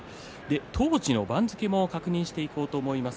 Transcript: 当時の番付も確認していこうと思います。